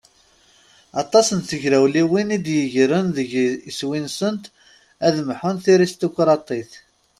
Aṭas n tegrawliwin i d-yegren deg iswi-nsent ad mḥunt tiristukraṭit.